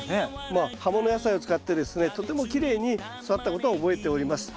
まあ葉もの野菜を使ってですねとてもきれいに育ったことは覚えております。